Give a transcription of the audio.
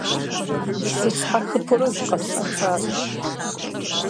Сыщхьэхыпэурэ зыкъэсӀэтащ.